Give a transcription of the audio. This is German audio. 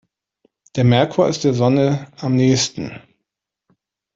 Der Merkur ist der Sonne am nähesten.